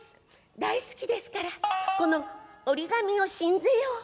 大好きですから此の折紙をしんぜよう」。